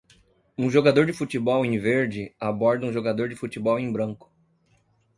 Um jogador de futebol em verde aborda um jogador de futebol em branco